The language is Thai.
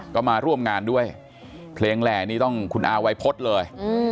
ก็มาร่วมงานด้วยเพลงแหล่นี่ต้องคุณอาวัยพฤษเลย